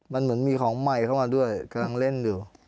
มันเหมือนมีของใหม่เข้ามาด้วยกำลังเล่นอยู่